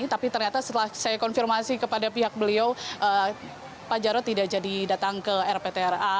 tapi ternyata setelah saya konfirmasi kepada pihak beliau pak jarod tidak jadi datang ke rptra